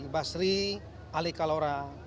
basri ali kalora